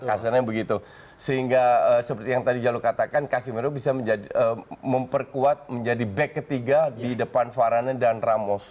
casemiro seperti yang tadi jalo katakan casemiro bisa memperkuat menjadi back ketiga di depan varane dan ramos